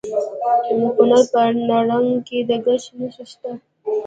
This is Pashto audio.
د کونړ په نرنګ کې د ګچ نښې شته.